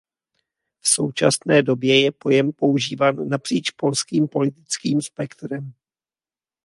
V současné době je pojem používán napříč polským politickým spektrem.